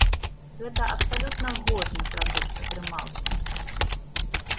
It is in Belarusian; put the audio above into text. Гэта абсалютна годны прадукт атрымаўся.